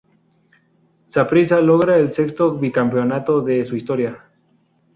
Saprissa logra el sexto bicampeonato de su historia.